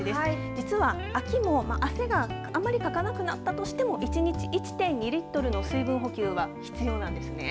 実は秋も汗があまりかかなくなったとしても１日１．２リットルの水分補給は必要なんですね。